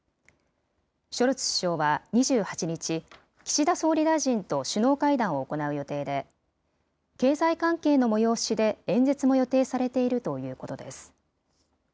ショルツ首相は２８日、岸田総理大臣と首脳会談を行う予定で、経済関係の催しで演説も予定されているということです。